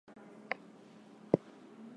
He tells her about how Aswathi ignores him.